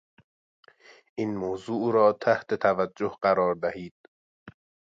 این موضوع راتحت توجه قرار دهید